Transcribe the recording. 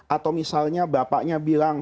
atau misalnya bapaknya bilang